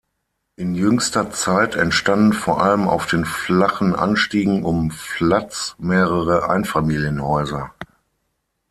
In jüngster Zeit entstanden vor allem auf den flachen Anstiegen um Flatz mehrere Einfamilienhäuser.